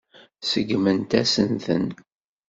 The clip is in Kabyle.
Seggment-asen-ten.